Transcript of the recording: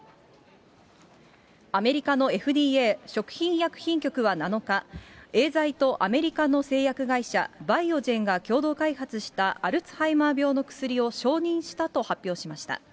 アメリカのＦＤＡ・食品医薬品局は７日、エーザイとアメリカの製薬会社、バイオジェンが共同開発したアルツハイマー病の薬を承認したと発表しました。